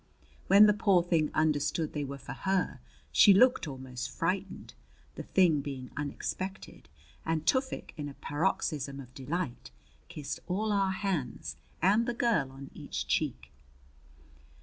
When the poor thing understood they were for her, she looked almost frightened, the thing being unexpected; and Tufik, in a paroxysm of delight, kissed all our hands and the girl on each cheek.